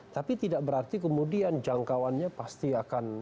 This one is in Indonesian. tapi tidak berarti kemudian jangkauannya pasti akan